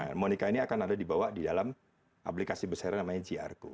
nah monika ini akan ada di bawah di dalam aplikasi besar yang namanya j arku